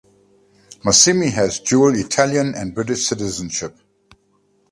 Massimi has dual Italian and British citizenship.